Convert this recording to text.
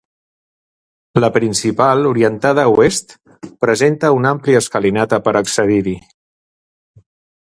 La principal, orientada a oest, presenta una àmplia escalinata per accedir-hi.